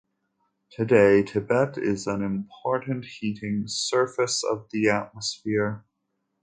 Today, Tibet is an important heating surface of the atmosphere.